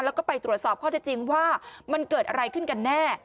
แล้วก็ไปตรวจสอบข้อเท็จจริงว่ามันเกิดอะไรขึ้นกันแน่